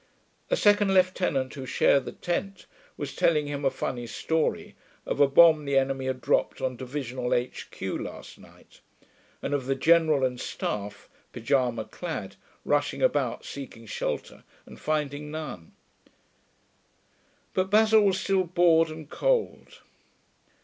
A second lieutenant who shared the tent was telling him a funny story of a bomb the enemy had dropped on Divisional H.Q. last night, and of the General and staff, pyjama clad, rushing about seeking shelter and finding none.... But Basil was still bored and cold.